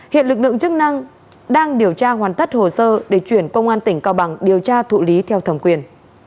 hiện lực lượng chức năng đang điều tra hoàn tất hồ sơ để chuyển công an tỉnh cao bằng điều tra thụ lý theo thẩm quyền